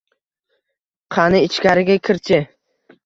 Qani, ichkariga kir-chi